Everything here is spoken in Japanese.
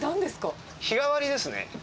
日替わりですね。